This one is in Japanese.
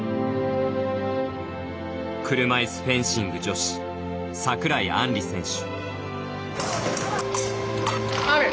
車いすフェンシング女子櫻井杏理選手。